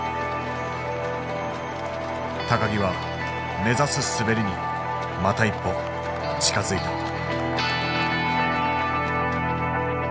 木は目指す滑りにまた一歩近づいた。